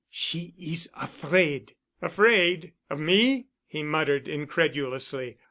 She is afraid." "Afraid—of me?" he muttered incredulously.